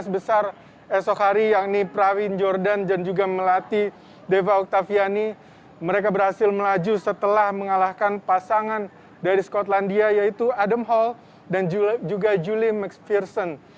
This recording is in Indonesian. enam belas besar esok hari yang ini pravin jordan dan juga melati deva oktaviani mereka berhasil melaju setelah mengalahkan pasangan dari skotlandia yaitu adam hall dan juga julie mcpherson